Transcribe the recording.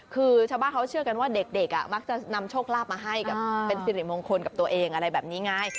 คือชาวบ้านเขาเชื่อกันว่าเด็กมักจะนำโชคลาภมาให้กับเป็นสิริมงคลกับตัวเองอะไรแบบนี้ไง